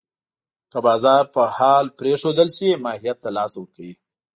که بازار په حال پرېښودل شي، ماهیت له لاسه ورکوي.